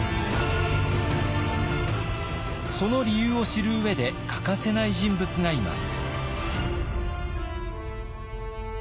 その理由を知る上で欠かせない人物がいます。